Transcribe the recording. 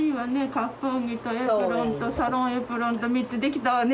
割烹着とエプロンとサロンエプロンと３つ出来たわね。